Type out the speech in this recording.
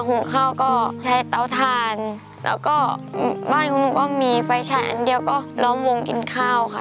หุงข้าวก็ใช้เตาทานแล้วก็บ้านของหนูก็มีไฟฉายอันเดียวก็ล้อมวงกินข้าวค่ะ